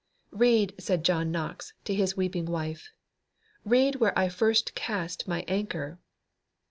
"Read," said John Knox to his weeping wife, "read where I first cast my anchor."